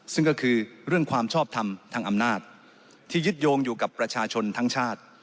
ซึ่งก็คือเรื่องความชอบทำทางอำนาจที่ยึดโยงอยู่กับประชาชนทั้งชาติ